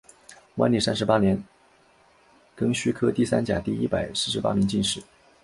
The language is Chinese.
万历三十八年庚戌科第三甲第一百四十八名进士。